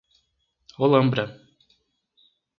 Holambra